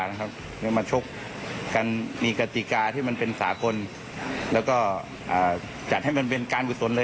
อยากมาชกมีกฎิกาที่มันเป็นสาคนแล้วก็จัดให้มันเป็นกอนุสนเลย